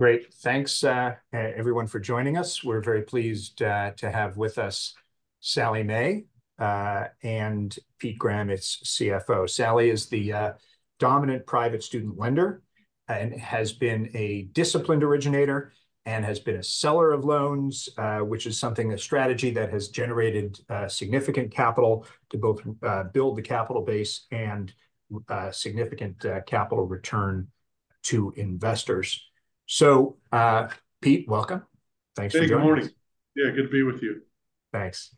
Great. Thanks, everyone for joining us. We're very pleased to have with us Sallie Mae and Pete Graham, CFO. Sallie is the dominant private student lender, and has been a disciplined originator, and has been a seller of loans, which is something, a strategy that has generated significant capital to both build the capital base and significant capital return to investors. So, Pete, welcome. Thanks for joining us. Hey, good morning. Yeah, good to be with you. Thanks.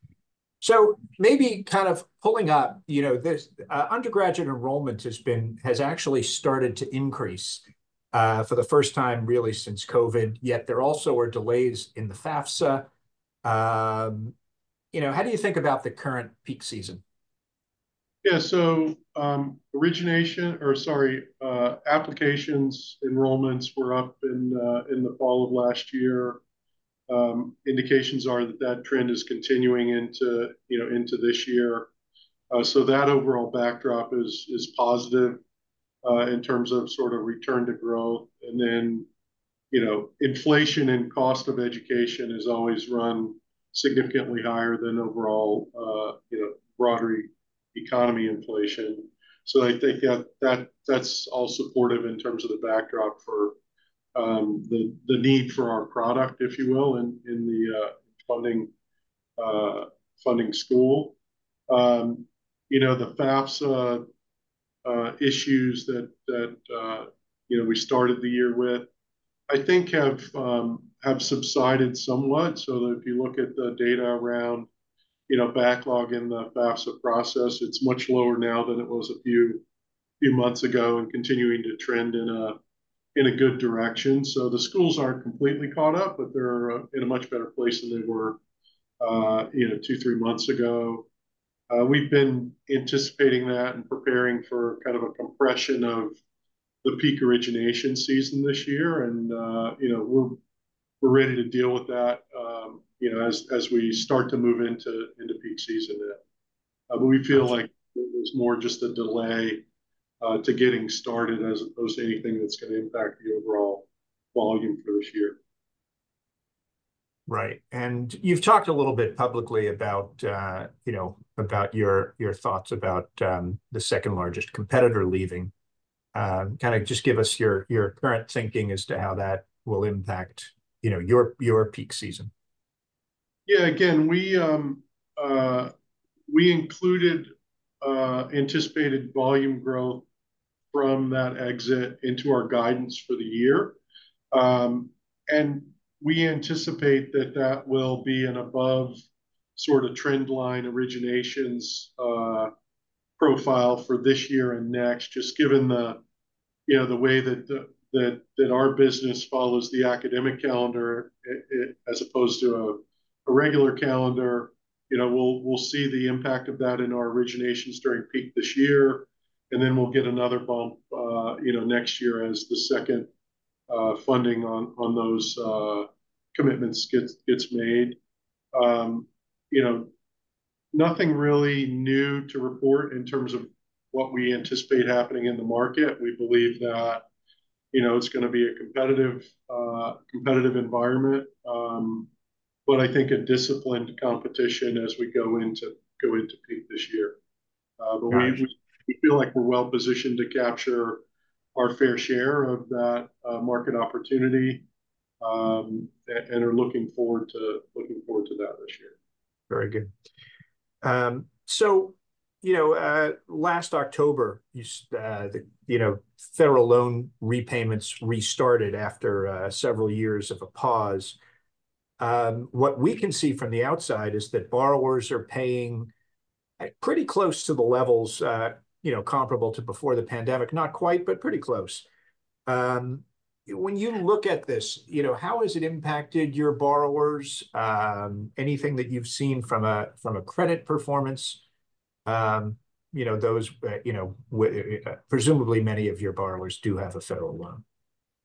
So maybe kind of pulling up, you know, this, undergraduate enrollment has actually started to increase, for the first time really since COVID, yet there also were delays in the FAFSA. You know, how do you think about the current peak season? Yeah, so, applications, enrollments were up in the fall of last year. Indications are that that trend is continuing into, you know, into this year. So that overall backdrop is positive in terms of sort of return to growth. And then, you know, inflation and cost of education has always run significantly higher than overall, you know, broader economy inflation. So I think that that's all supportive in terms of the backdrop for the need for our product, if you will, in the funding school. You know, the FAFSA issues that you know, we started the year with, I think have subsided somewhat. So that if you look at the data around, you know, backlog in the FAFSA process, it's much lower now than it was a few months ago, and continuing to trend in a good direction. So the schools aren't completely caught up, but they're in a much better place than they were, you know, two, three months ago. We've been anticipating that and preparing for kind of a compression of the peak origination season this year. And you know, we're ready to deal with that, you know, as we start to move into peak season then. But we feel like it was more just a delay to getting started, as opposed to anything that's going to impact the overall volume for this year. Right. And you've talked a little bit publicly about, you know, about your, your thoughts about, the second-largest competitor leaving. Kind of just give us your, your current thinking as to how that will impact, you know, your, your peak season. Yeah, again, we included anticipated volume growth from that exit into our guidance for the year. And we anticipate that that will be an above sort of trend line originations profile for this year and next, just given the you know the way that our business follows the academic calendar as opposed to a regular calendar. You know, we'll see the impact of that in our originations during peak this year, and then we'll get another bump you know next year as the second funding on those commitments gets made. You know, nothing really new to report in terms of what we anticipate happening in the market. We believe that, you know, it's going to be a competitive environment, but I think a disciplined competition as we go into peak this year. Gotcha. But we feel like we're well-positioned to capture our fair share of that market opportunity, and are looking forward to that this year. Very good. So, you know, last October, you know, federal loan repayments restarted after several years of a pause. What we can see from the outside is that borrowers are paying pretty close to the levels, you know, comparable to before the pandemic. Not quite, but pretty close. When you look at this, you know, how has it impacted your borrowers? Anything that you've seen from a, from a credit performance? You know, those, you know, presumably many of your borrowers do have a federal loan.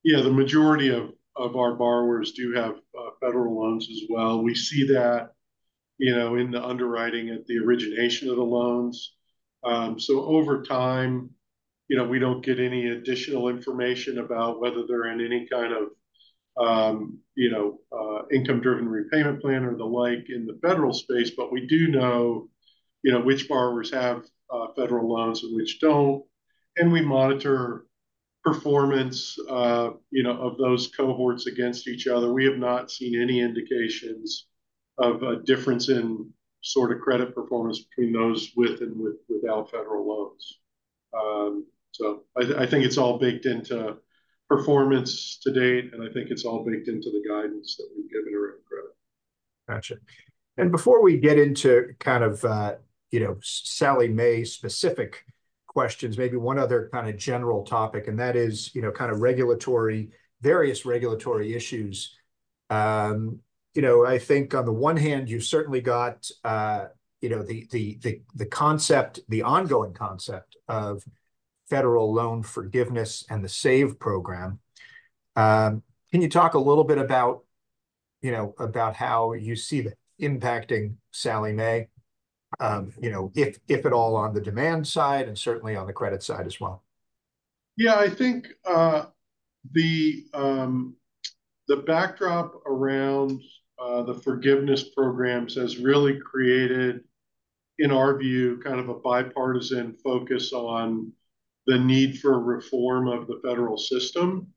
Yeah, the majority of, of our borrowers do have federal loans as well. We see that, you know, in the underwriting at the origination of the loans. So over time, you know, we don't get any additional information about whether they're in any kind of, you know, income-driven repayment plan or the like in the federal space, but we do know, you know, which borrowers have federal loans and which don't, and we monitor performance, you know, of those cohorts against each other. We have not seen any indications of a difference in sort of credit performance between those with and without federal loans. So I, I think it's all baked into performance to date, and I think it's all baked into the guidance that we've given around credit. Gotcha. And before we get into kind of, you know, Sallie Mae-specific questions, maybe one other kind of general topic, and that is, you know, kind of regulatory, various regulatory issues. You know, I think on the one hand, you've certainly got, you know, the concept, the ongoing concept of federal loan forgiveness and the SAVE program. Can you talk a little bit about you know, about how you see that impacting Sallie Mae, you know, if at all on the demand side, and certainly on the credit side as well? Yeah, I think, the backdrop around, the forgiveness programs has really created, in our view, kind of a bipartisan focus on the need for reform of the federal system.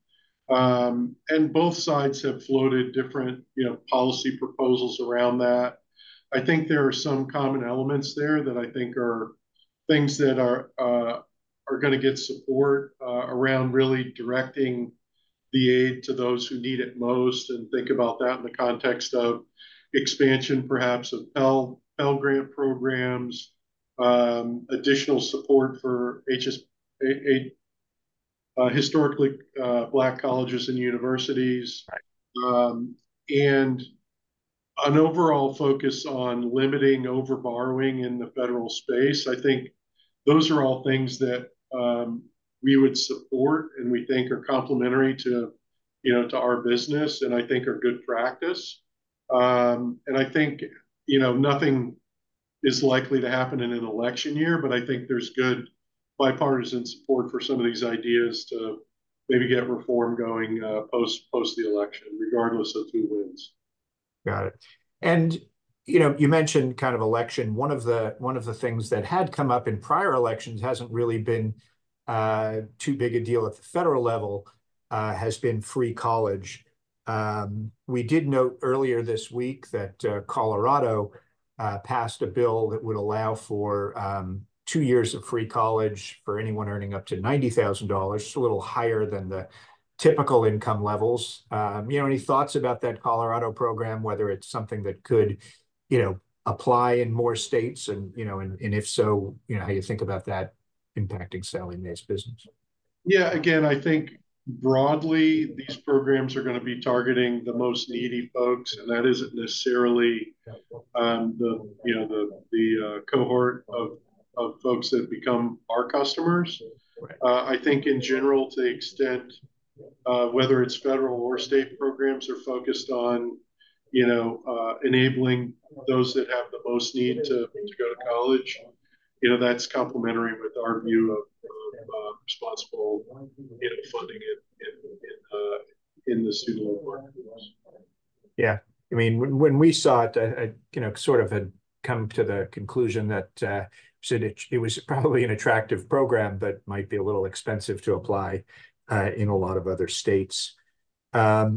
And both sides have floated different, you know, policy proposals around that. I think there are some common elements there that I think are things that are gonna get support around really directing the aid to those who need it most, and think about that in the context of expansion, perhaps of Pell Grant programs, additional support for, Historically Black Colleges and Universities- Right... and an overall focus on limiting overborrowing in the federal space. I think those are all things that we would support and we think are complementary to, you know, to our business, and I think are good practice. And I think, you know, nothing is likely to happen in an election year, but I think there's good bipartisan support for some of these ideas to maybe get reform going post the election, regardless of who wins. Got it. You know, you mentioned kind of election. One of the things that had come up in prior elections hasn't really been too big a deal at the federal level, has been free college. We did note earlier this week that Colorado passed a bill that would allow for two years of free college for anyone earning up to $90,000, so a little higher than the typical income levels. You know, any thoughts about that Colorado program, whether it's something that could, you know, apply in more states? And, you know, if so, you know, how you think about that impacting Sallie Mae's business. Yeah, again, I think broadly, these programs are gonna be targeting the most needy folks, and that isn't necessarily- Yeah... you know, the cohort of folks that become our customers. Right. I think in general, to the extent whether it's federal or state programs are focused on, you know, enabling those that have the most need to go to college, you know, that's complementary with our view of responsible, you know, funding in the student loan marketplace. Yeah. I mean, when we saw it, I you know, sort of had come to the conclusion that, so it was probably an attractive program, but might be a little expensive to apply in a lot of other states. Can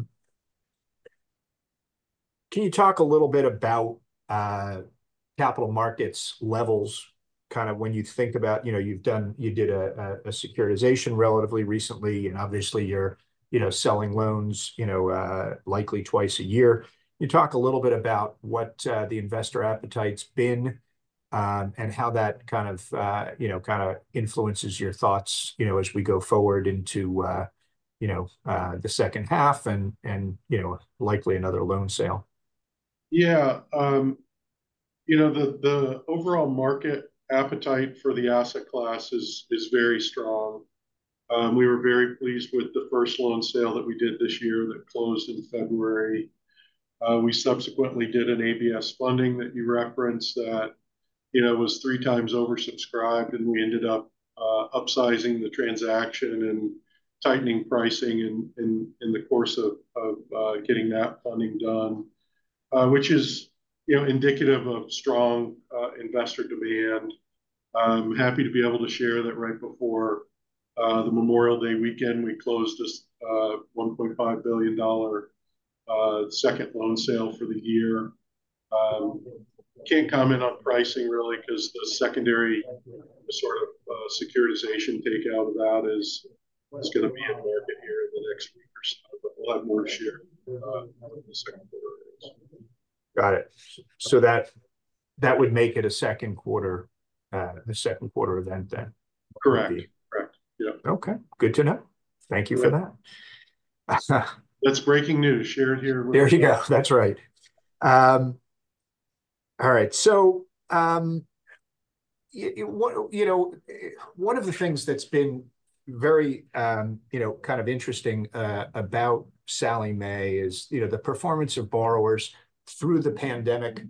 you talk a little bit about capital markets levels, kind of when you think about, you know, you've done—you did a securitization relatively recently, and obviously you're, you know, selling loans, you know, likely twice a year. Can you talk a little bit about what the investor appetite's been, and how that kind of, you know, kind of influences your thoughts, you know, as we go forward into, you know, the second half and you know, likely another loan sale? Yeah. You know, the overall market appetite for the asset class is very strong. We were very pleased with the first loan sale that we did this year that closed in February. We subsequently did an ABS funding that you referenced that, you know, was three times oversubscribed, and we ended up upsizing the transaction and tightening pricing in the course of getting that funding done, which is, you know, indicative of strong investor demand. I'm happy to be able to share that right before the Memorial Day weekend, we closed this $1.5 billion second loan sale for the year. Can't comment on pricing really, 'cause the secondary sort of securitization takeout of that is- Right... is gonna be in the market here in the next week or so, but we'll have more to share in the second quarter. Got it. So that would make it a second quarter event then? Correct. Yeah. Correct. Yeah. Okay. Good to know. Right. Thank you for that. That's breaking news, shared here with- There you go. That's right. All right, so, you know, one of the things that's been very, you know, kind of interesting about Sallie Mae is, you know, the performance of borrowers through the pandemic,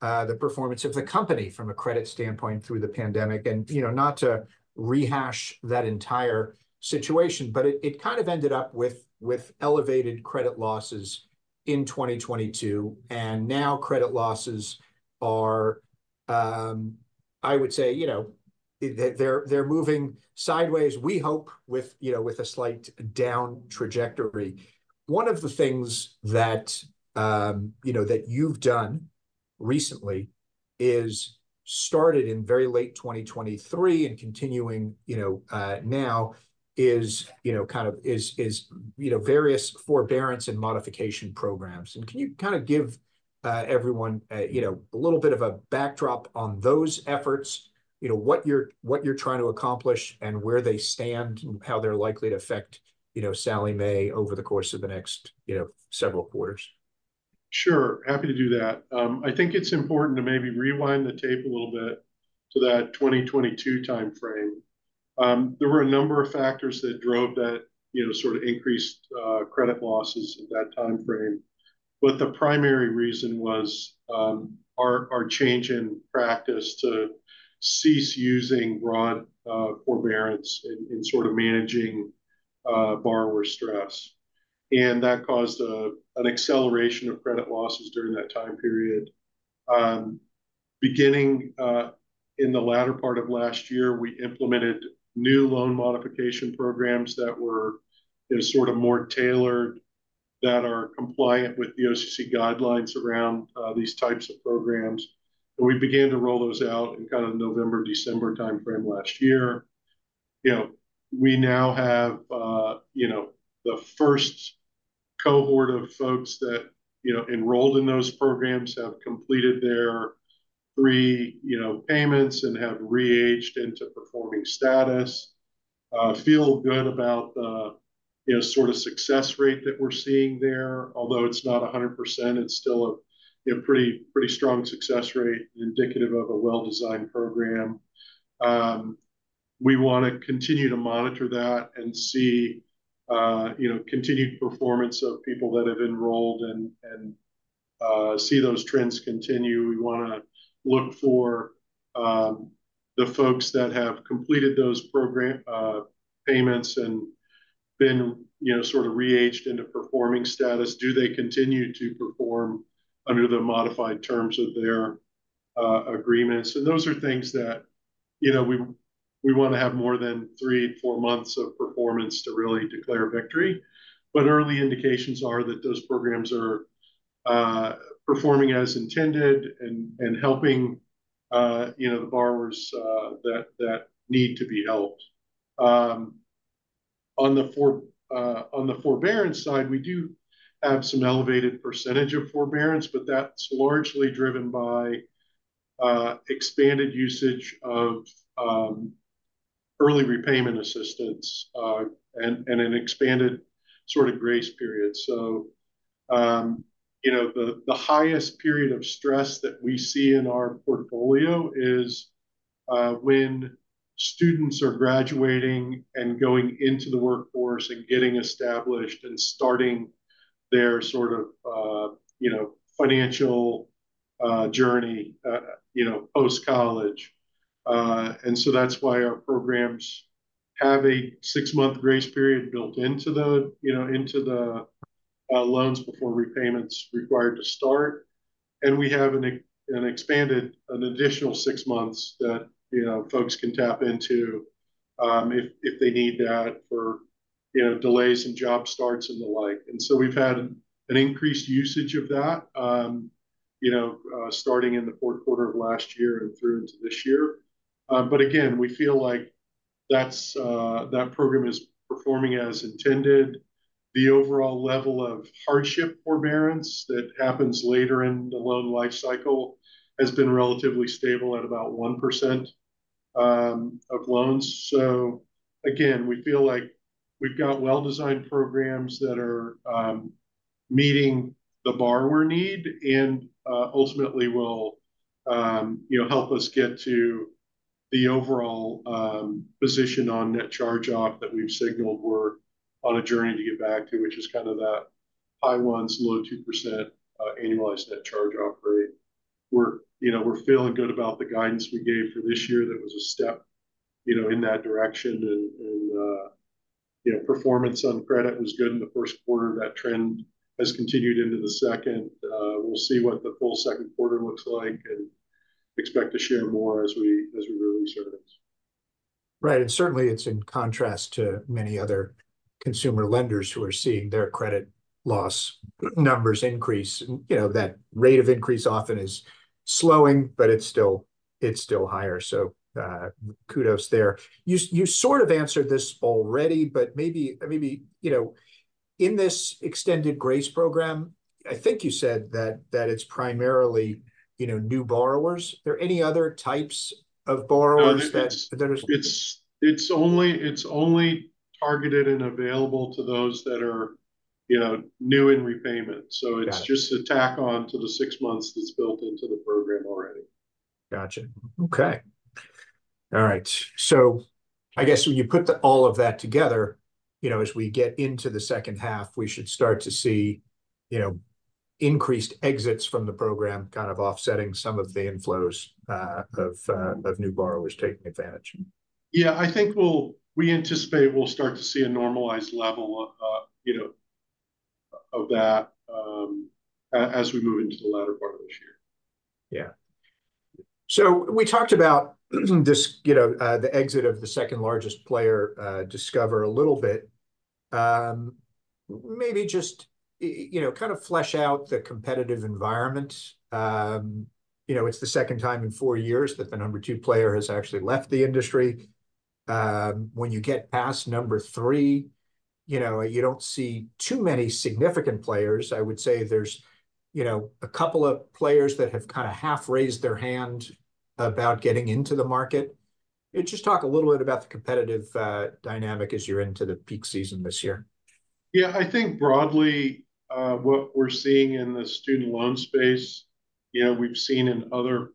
the performance of the company from a credit standpoint through the pandemic. And, you know, not to rehash that entire situation, but it kind of ended up with elevated credit losses in 2022, and now credit losses are... I would say, you know, they're moving sideways, we hope with a slight down trajectory. One of the things that, you know, that you've done recently is started in very late 2023 and continuing now is various forbearance and modification programs. And can you kind of give, everyone, you know, a little bit of a backdrop on those efforts, you know, what you're trying to accomplish, and where they stand, and how they're likely to affect, you know, Sallie Mae over the course of the next, you know, several quarters? Sure. Happy to do that. I think it's important to maybe rewind the tape a little bit to that 2022 timeframe... there were a number of factors that drove that, you know, sort of increased credit losses in that time frame. But the primary reason was our change in practice to cease using broad forbearance in sort of managing borrower stress. And that caused an acceleration of credit losses during that time period. Beginning in the latter part of last year, we implemented new loan modification programs that were, you know, sort of more tailored, that are compliant with the OCC guidelines around these types of programs. And we began to roll those out in kind of November, December time frame last year. You know, we now have, you know, the first cohort of folks that, you know, enrolled in those programs, have completed their three, you know, payments and have re-aged into performing status. Feel good about the, you know, sort of success rate that we're seeing there. Although it's not 100%, it's still a, a pretty, pretty strong success rate, indicative of a well-designed program. We wanna continue to monitor that and see, you know, continued performance of people that have enrolled and see those trends continue. We wanna look for, the folks that have completed those program payments and been, you know, sort of re-aged into performing status. Do they continue to perform under the modified terms of their agreements? Those are things that, you know, we wanna have more than three to four months of performance to really declare victory. But early indications are that those programs are performing as intended and helping, you know, the borrowers that need to be helped. On the forbearance side, we do have some elevated percentage of forbearance, but that's largely driven by expanded usage of early repayment assistance and an expanded sort of grace period. So, you know, the highest period of stress that we see in our portfolio is when students are graduating and going into the workforce and getting established and starting their sort of, you know, financial journey, you know, post-college. And so that's why our programs have a six-month grace period built into the, you know, into the loans before repayment's required to start. And we have an expanded, an additional six months that, you know, folks can tap into, if they need that for, you know, delays in job starts and the like. And so we've had an increased usage of that, you know, starting in the fourth quarter of last year and through into this year. But again, we feel like that's that program is performing as intended. The overall level of hardship forbearance that happens later in the loan life cycle has been relatively stable at about 1% of loans. So again, we feel like we've got well-designed programs that are meeting the borrower need and ultimately will, you know, help us get to the overall position on net charge-off that we've signaled we're on a journey to get back to, which is kind of that high 1s-low 2% annualized net charge-off rate. We're, you know, we're feeling good about the guidance we gave for this year. That was a step, you know, in that direction. Performance on credit was good in the first quarter. That trend has continued into the second. We'll see what the full second quarter looks like, and expect to share more as we release earnings. Right, and certainly it's in contrast to many other consumer lenders who are seeing their credit loss numbers increase. You know, that rate of increase often is slowing, but it's still, it's still higher, so, kudos there. You sort of answered this already, but maybe, you know, in this extended grace program, I think you said that it's primarily, you know, new borrowers. Are there any other types of borrowers that- No, it- There is- It's only targeted and available to those that are, you know, new in repayment. Gotcha. So it's just a tack on to the six months that's built into the program already. Gotcha. Okay. All right. So I guess when you put all of that together, you know, as we get into the second half, we should start to see, you know, increased exits from the program, kind of offsetting some of the inflows of new borrowers taking advantage? Yeah, I think we anticipate we'll start to see a normalized level of, you know, of that, as we move into the latter part of this year. Yeah. So we talked about this, you know, the exit of the second-largest player, Discover, a little bit. Maybe just, you know, kind of flesh out the competitive environment. You know, it's the second time in four years that the number two player has actually left the industry. When you get past number three, you know, you don't see too many significant players. I would say there's, you know, a couple of players that have kind of half-raised their hand about getting into the market. Yeah, just talk a little bit about the competitive dynamic as you're into the peak season this year. Yeah, I think broadly, what we're seeing in the student loan space, you know, we've seen in other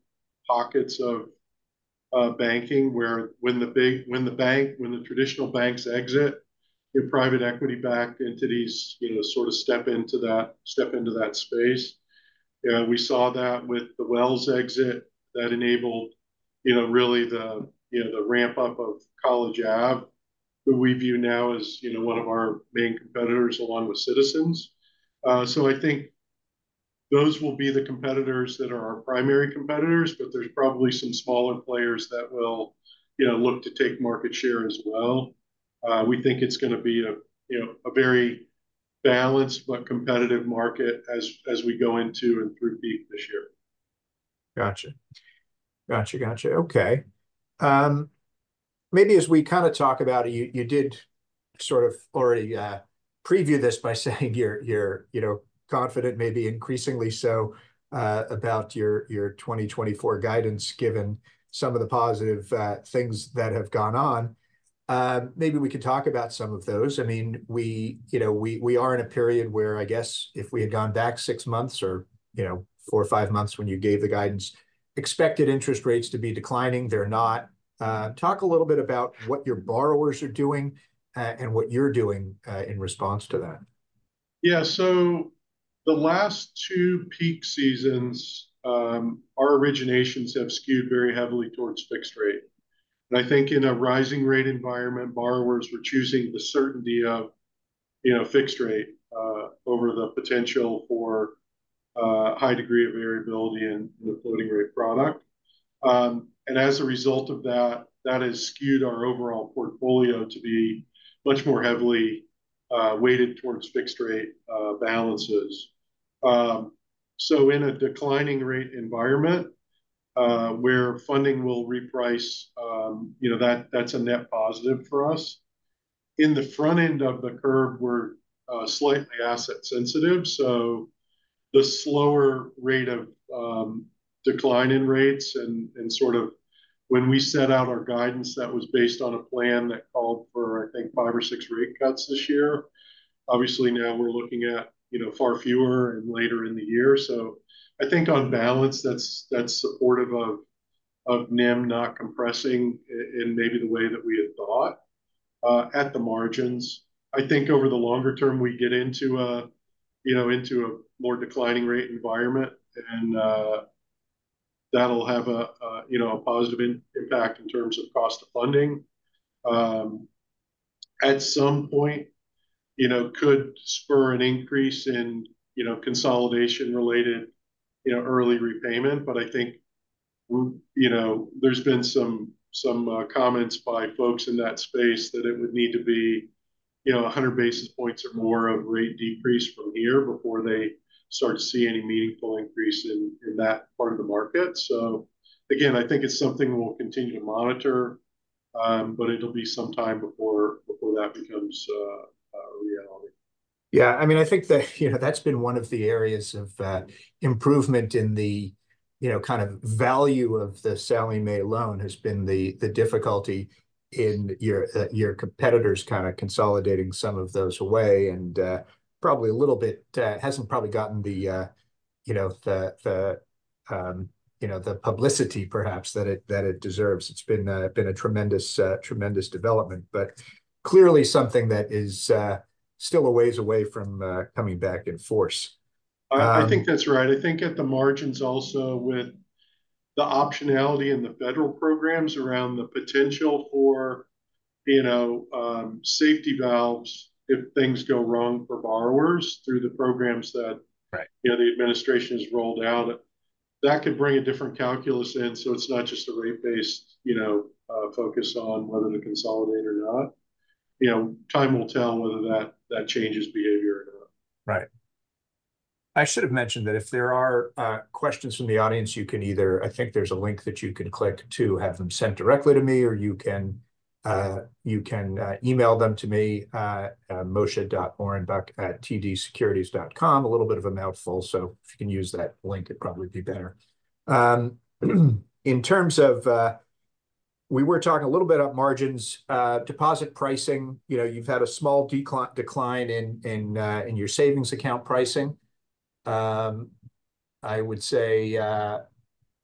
pockets of banking, where, when the traditional banks exit, your private equity-backed entities, you know, sort of step into that, step into that space. You know, we saw that with the Wells exit that enabled, you know, really the, you know, the ramp up of College Ave, who we view now as, you know, one of our main competitors, along with Citizens. So I think those will be the competitors that are our primary competitors, but there's probably some smaller players that will, you know, look to take market share as well. We think it's gonna be a, you know, a very balanced but competitive market as we go into and through peak this year. Gotcha. Gotcha, gotcha. Okay. Maybe as we kind of talk about, you, you did sort of already preview this by saying you're, you're, you know, confident, maybe increasingly so, about your, your 2024 guidance, given some of the positive things that have gone on. Maybe we could talk about some of those. I mean, we, you know, we, we are in a period where I guess if we had gone back six months or, you know, four, five months when you gave the guidance, expected interest rates to be declining, they're not. Talk a little bit about what your borrowers are doing, and what you're doing, in response to that. Yeah. So the last two peak seasons, our originations have skewed very heavily towards fixed rate. And I think in a rising rate environment, borrowers were choosing the certainty of, you know, fixed rate, over the potential for, high degree of variability in the floating rate product. And as a result of that, that has skewed our overall portfolio to be much more heavily, weighted towards fixed rate, balances. So in a declining rate environment, where funding will reprice, you know, that's a net positive for us. In the front end of the curve, we're, slightly asset sensitive, so the slower rate of decline in rates and sort of when we set out our guidance, that was based on a plan that called for, I think, five or six rate cuts this year. Obviously, now we're looking at, you know, far fewer and later in the year. So I think on balance, that's supportive of NIM not compressing in maybe the way that we had thought at the margins. I think over the longer term, we get into a more declining rate environment, and that'll have a positive impact in terms of cost of funding. At some point, you know, could spur an increase in, you know, consolidation related, you know, early repayment. But I think, you know, there's been some comments by folks in that space that it would need to be, you know, 100 basis points or more of rate decrease from here before they start to see any meaningful increase in that part of the market. So again, I think it's something we'll continue to monitor, but it'll be some time before that becomes a reality. Yeah, I mean, I think that, you know, that's been one of the areas of improvement in the, you know, kind of value of the Sallie Mae loan, has been the difficulty in your competitors kind of consolidating some of those away. And probably a little bit hasn't probably gotten the you know the publicity perhaps that it deserves. It's been a tremendous development, but clearly something that is still a ways away from coming back in force. I think that's right. I think at the margins also with the optionality in the federal programs around the potential for, you know, safety valves, if things go wrong for borrowers through the programs that- Right... you know, the administration has rolled out, that could bring a different calculus in. So it's not just a rate-based, you know, focus on whether to consolidate or not. You know, time will tell whether that changes behavior or not. Right. I should have mentioned that if there are questions from the audience, you can either... I think there's a link that you can click to have them sent directly to me, or you can email them to me at moshe.orenbuch@tdsecurities.com. A little bit of a mouthful, so if you can use that link, it'd probably be better. In terms of, we were talking a little bit about margins, deposit pricing. You know, you've had a small decline in your savings account pricing. I would say,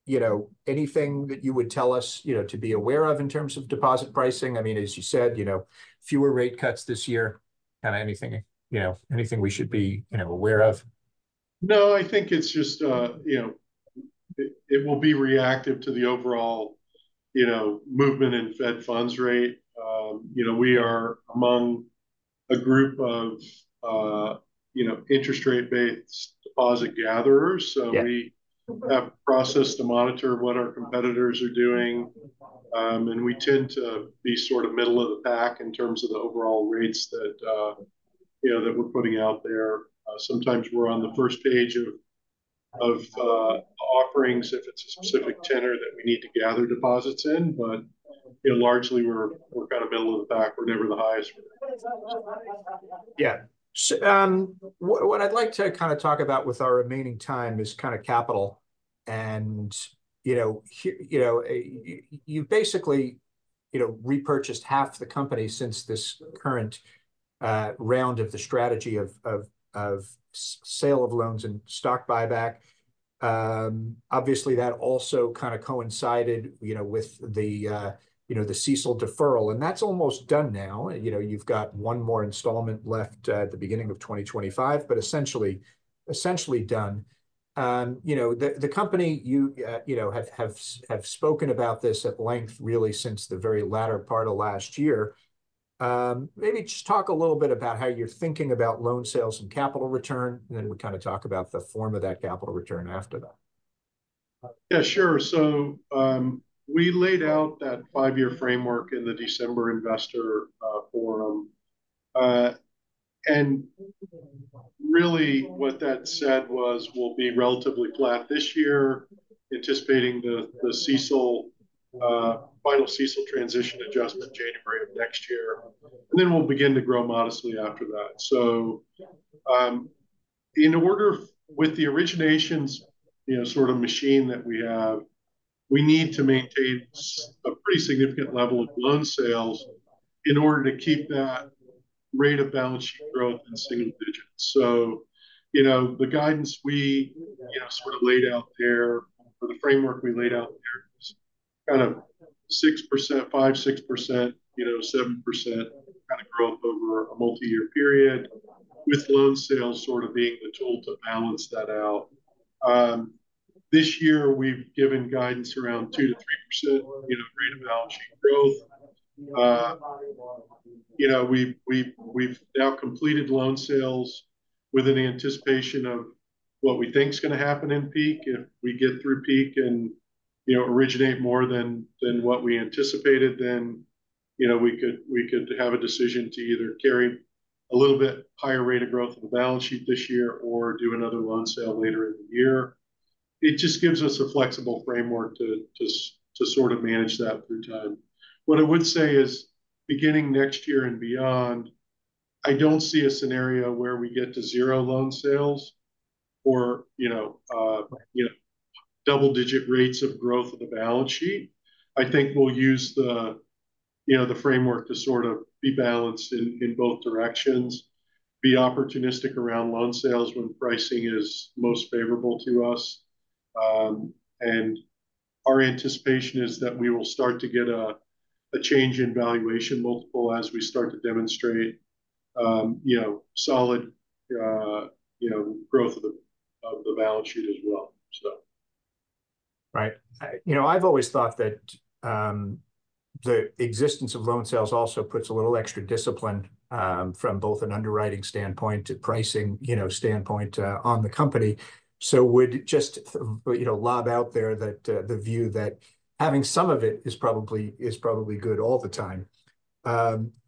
you know, anything that you would tell us, you know, to be aware of in terms of deposit pricing? I mean, as you said, you know, fewer rate cuts this year. Kind of anything, you know, anything we should be, you know, aware of? No, I think it's just, you know, it, it will be reactive to the overall, you know, movement in Fed funds rate. You know, we are among a group of, you know, interest rate-based deposit gatherers. Yeah. We have a process to monitor what our competitors are doing, and we tend to be sort of middle of the pack in terms of the overall rates that, you know, that we're putting out there. Sometimes we're on the first page of offerings, if it's a specific tenor that we need to gather deposits in. But, you know, largely we're kind of middle of the pack. We're never the highest. Yeah. So, what I'd like to kind of talk about with our remaining time is kind of capital and, you know, here, you know, you basically... you know, repurchased half the company since this current round of the strategy of sale of loans and stock buyback. Obviously, that also kind of coincided, you know, with the, you know, the CECL deferral, and that's almost done now. You know, you've got one more installment left at the beginning of 2025, but essentially, essentially done. You know, the company you know have spoken about this at length really since the very latter part of last year. Maybe just talk a little bit about how you're thinking about loan sales and capital return, and then we kind of talk about the form of that capital return after that. Yeah, sure. So, we laid out that five-year framework in the December investor forum. And really what that said was we'll be relatively flat this year, anticipating the CECL final CECL transition adjustment January of next year, and then we'll begin to grow modestly after that. So, in order with the originations, you know, sort of machine that we have, we need to maintain a pretty significant level of loan sales in order to keep that rate of balance sheet growth in single digits. So, you know, the guidance we, you know, sort of laid out there or the framework we laid out there was kind of 6%, 5%-6%, you know, 7% kind of growth over a multi-year period, with loan sales sort of being the tool to balance that out. This year we've given guidance around 2%-3%, you know, rate of balance sheet growth. You know, we've now completed loan sales with an anticipation of what we think is gonna happen in peak. If we get through peak and, you know, originate more than what we anticipated, then, you know, we could have a decision to either carry a little bit higher rate of growth of the balance sheet this year, or do another loan sale later in the year. It just gives us a flexible framework to just, to sort of manage that through time. What I would say is, beginning next year and beyond, I don't see a scenario where we get to zero loan sales or, you know, double-digit rates of growth of the balance sheet. I think we'll use the, you know, the framework to sort of be balanced in both directions, be opportunistic around loan sales when pricing is most favorable to us. And our anticipation is that we will start to get a change in valuation multiple as we start to demonstrate, you know, solid, you know, growth of the balance sheet as well, so. Right. I, you know, I've always thought that the existence of loan sales also puts a little extra discipline from both an underwriting standpoint to pricing, you know, standpoint on the company. So would just, you know, lob out there that the view that having some of it is probably, is probably good all the time.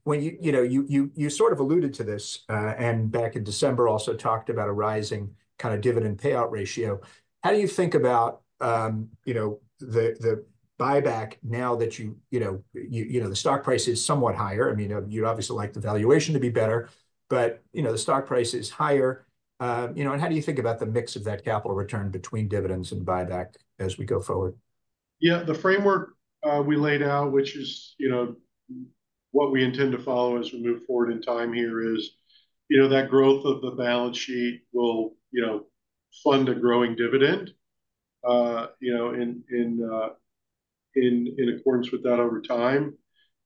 Well you, you know, you, you sort of alluded to this and back in December, also talked about a rising kind of dividend payout ratio. How do you think about you know, the, the buyback now that you, you know, you, you know, the stock price is somewhat higher? I mean, you'd obviously like the valuation to be better, but, you know, the stock price is higher. You know, how do you think about the mix of that capital return between dividends and buyback as we go forward? Yeah, the framework, we laid out, which is, you know, what we intend to follow as we move forward in time here is, you know, that growth of the balance sheet will, you know, fund a growing dividend, you know, in accordance with that over time,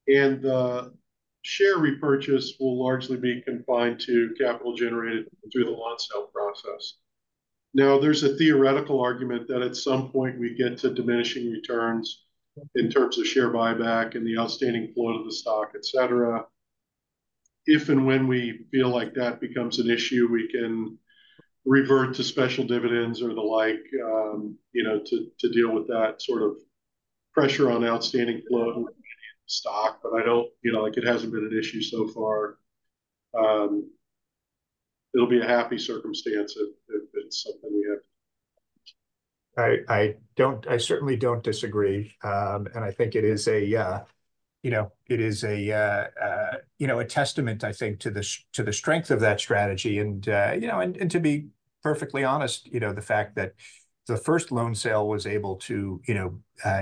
and the share repurchase will largely be confined to capital generated through the loan sale process. Now, there's a theoretical argument that at some point we get to diminishing returns in terms of share buyback and the outstanding float of the stock, et cetera. If and when we feel like that becomes an issue, we can revert to special dividends or the like, you know, to deal with that sort of pressure on outstanding float stock, but I don't... You know, like, it hasn't been an issue so far. It'll be a happy circumstance if it's something we have. I certainly don't disagree. And I think it is a, you know, it is a, you know, a testament, I think, to the strength of that strategy. And, you know, and, and to be perfectly honest, you know, the fact that the first loan sale was able to, you know,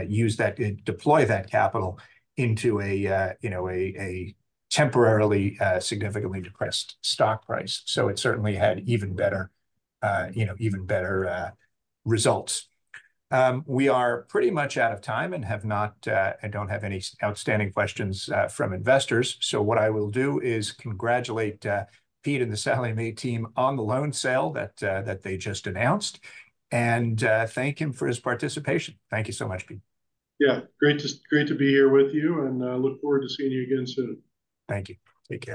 use that, deploy that capital into a, you know, a, a temporarily, significantly depressed stock price. So it certainly had even better, you know, even better, results. We are pretty much out of time and have not, and don't have any outstanding questions, from investors. So what I will do is congratulate, Pete and the Sallie Mae team on the loan sale that, that they just announced, and, thank him for his participation. Thank you so much, Pete. Yeah, great to, great to be here with you, and look forward to seeing you again soon. Thank you. Take care.